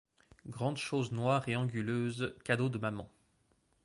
Grande chose noire et anguleuse, cadeau de maman.